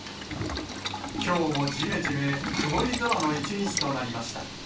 きょうもじめじめ、曇り空の一日となりました。